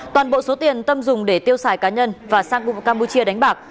toàn bộ số tiền tâm dùng để tiêu xài cá nhân và sang campuchia đánh bạc